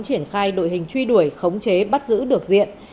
triển khai đội hình truy đuổi khống chế bắt giữ được diện